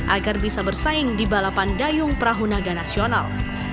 agar bisa bersaing di balapan dayung perahu naga nasional